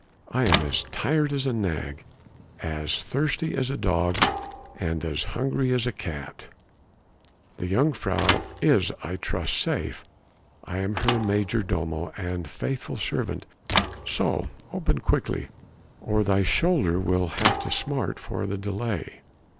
I am as tired as a nag, as thirsty as a dog and as hungry as a cat. The jongejuffrouw is I trust safe: I am her major domo and faithful servant, so open quickly, or thy shoulder will have to smart for the delay."